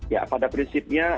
ya pada prinsipnya